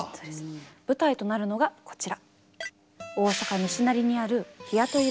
舞台となるのがこちら。